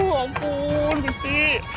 ya ampun bisti